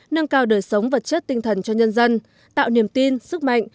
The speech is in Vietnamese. nâng cao đời sống vật chất tinh thần cho nhân dân tạo niềm tin sức mạnh